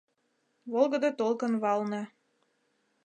Волгыдо толкын валне